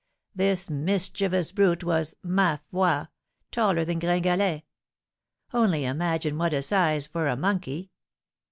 This mischievous brute was, ma foi! taller than Gringalet; only imagine what a size for a monkey!